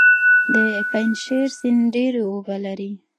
د پنجشیر سیند ډیرې اوبه لري